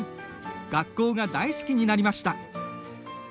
学校が大好きになりました。